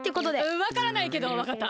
わからないけどわかった。